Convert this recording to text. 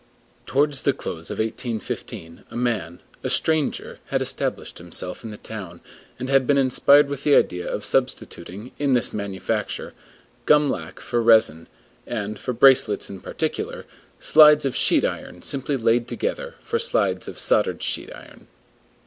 Towards the close of 1815 a man, a stranger, had established himself in the town, and had been inspired with the idea of substituting, in this manufacture, gum lac for resin, and, for bracelets in particular, slides of sheet iron simply laid together, for slides of soldered sheet iron.